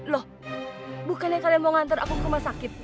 loh bukannya kalian mau ngantar aku ke rumah sakit